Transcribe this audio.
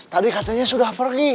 tadi katanya sudah pergi